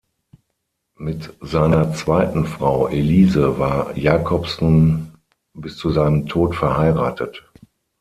Mit seiner zweiten Frau Elise war Jacobson bis zu seinem Tod verheiratet.